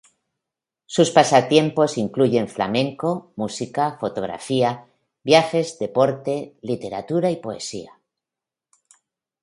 Sus pasatiempos incluyen flamenco, música, fotografía, viajes, deportes, literatura y poesía.